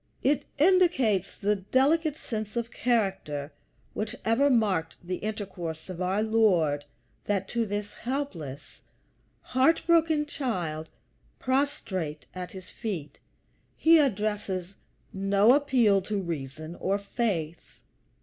It indicates the delicate sense of character which ever marked the intercourse of our Lord, that to this helpless, heart broken child prostrate at his feet he addresses no appeal to reason or faith.